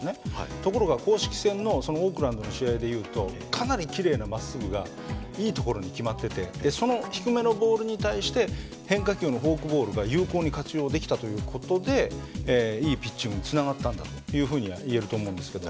ところが公式戦のオークランドの試合でいうとかなりきれいなまっすぐがいい所に決まっててその低めのボールに対して変化球のフォークボールが有効に活用できたという事でいいピッチングにつながったんだというふうには言えると思うんですけれども。